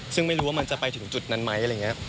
ซึ่งไม่รู้ว่ามันจะไปถึงจุดนั้นไหม